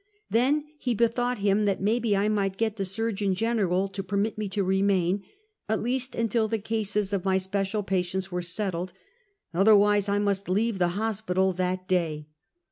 Then he bethought him that maybe I might get the Surgeon General to permit me to remain, at least un til the cases of my special patients were settled; oth erwise I must leave the hospital that day.